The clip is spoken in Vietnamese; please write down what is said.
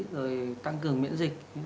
rồi tăng cường miễn dịch